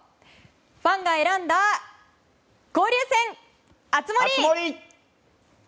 ファンが選んだ交流戦熱盛！